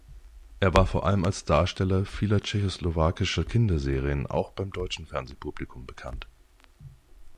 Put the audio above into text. Er war vor allem als Darsteller vieler tschechoslowakischer Kinderserien auch beim deutschen Fernsehpublikum bekannt.